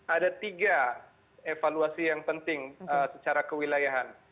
ada tiga evaluasi yang penting secara kewilayahan